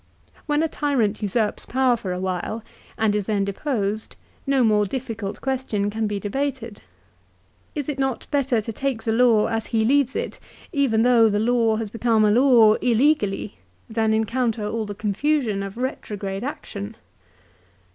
When a tyrant usurps power for a while and is then deposed no more difficult question can be de bated. Is it not better to take the law as he leaves it, even though the law has become a law illegally, than encounter all the confusion of retrograde action